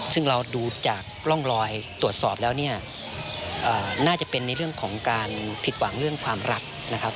ซึ่งเราดูจากร่องรอยตรวจสอบแล้วเนี่ยน่าจะเป็นในเรื่องของการผิดหวังเรื่องความรักนะครับ